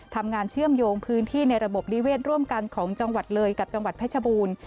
เชื่อมโยงพื้นที่ในระบบนิเวศร่วมกันของจังหวัดเลยกับจังหวัดเพชรบูรณ์